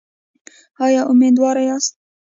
ایا امیدواره یاست؟